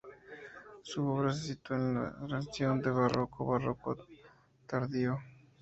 Su obra se sitúa en la transición del Barroco al Barroco tardío.